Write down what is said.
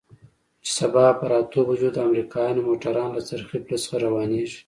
چې سبا پر اتو بجو د امريکايانو موټران له څرخي پله څخه روانېږي.